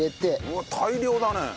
うわっ大量だね！